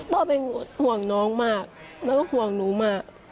พ่อเป็นห่วงน้องมากแล้วก็ห่วงหนูมาก